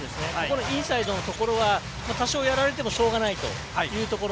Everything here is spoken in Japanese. インサイドのところは多少やられてもしかたないというところ。